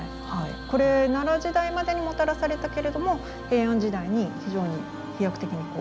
これ奈良時代までにもたらされたけれども平安時代に非常に飛躍的に広がっていったと。